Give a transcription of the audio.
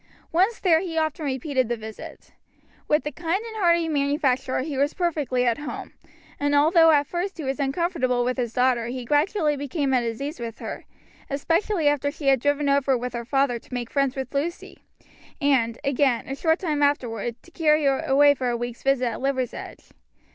Once there he often repeated the visit. With the kind and hearty manufacturer he was perfectly at home, and although at first he was uncomfortable with his daughter he gradually became at his ease with her, especially after she had driven over with her father to make friends with Lucy, and, again, a short time afterward, to carry her away for a week's visit at Liversedge.